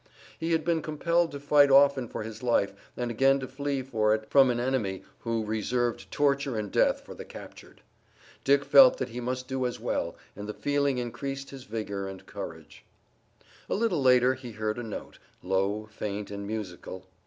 He had been compelled to fight often for his life and again to flee for it from an enemy who reserved torture and death for the captured. Dick felt that he must do as well, and the feeling increased his vigor and courage. A little later he heard a note, low, faint and musical.